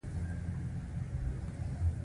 په اجاره ورکولو سره عواید دوه چنده زیاتېږي.